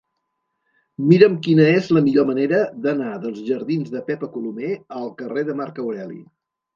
Mira'm quina és la millor manera d'anar dels jardins de Pepa Colomer al carrer de Marc Aureli.